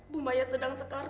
bu maya sedang sekar